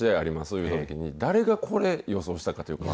いうときに、誰がこれ、予想したかっていうと。